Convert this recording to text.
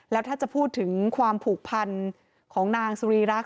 แล้วถ้าจะพูดถึงความผูกพันของนางสุรีรักษ